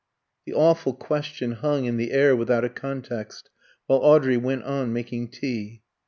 The awful question hung in the air without a context, while Audrey went on making tea.